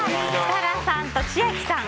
設楽さんと千秋さん